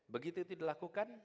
begitu tidak dilakukan